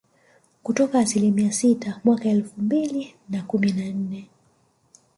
kutoka asilimia sita mwaka elfu mbili na kumi na nne